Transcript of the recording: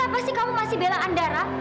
pasti kamu masih bela andara